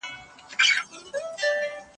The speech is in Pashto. بریا د هغو خلګو په لاس کي ده چي ډېر لېوال دي.